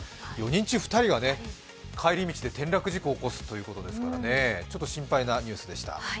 ４人中２人が帰り道で転落事故を起こすということですからね、ちょっと心配なニュースでした。